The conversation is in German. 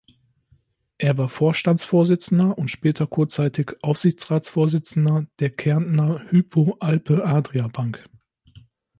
Er war Vorstandsvorsitzender und später kurzzeitig Aufsichtsratsvorsitzender der Kärntner Hypo Alpe-Adria-Bank.